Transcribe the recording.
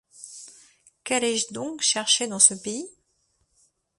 Qu’allais-je donc chercher dans ce pays ?